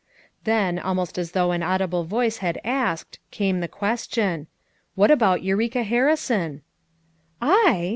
Then almost as though an audible voice had asked, came the question: "What about Eureka Harrison V 9 "I!"